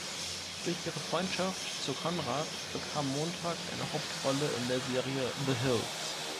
Durch ihre Freundschaft zu Conrad bekam Montag eine Hauptrolle in der Serie The Hills.